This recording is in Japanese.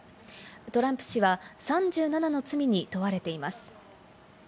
トランプ氏は３７の罪に問われています。